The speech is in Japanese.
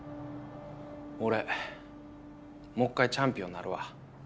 俺もっかいチャンピオンになるわ。